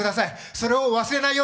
それを忘れないように！